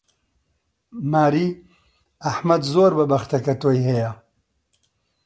ماری، ئەحمەد زۆر بەبەختە کە تۆی هەیە!